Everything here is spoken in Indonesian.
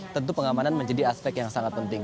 tentu pengamanan menjadi aspek yang sangat penting